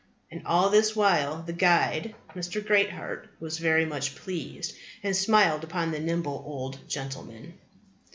And all this while the guide, Mr. Greatheart, was very much pleased, and smiled upon the nimble old gentleman.